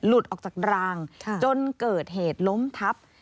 ออกจากรางจนเกิดเหตุล้มทับ